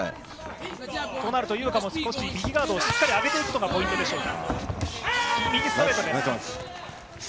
となると井岡も右ガードをしっかり上げていくことがポイントでしょうか。